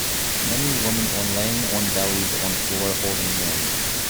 Many woman on laying on bellies on floor holding hands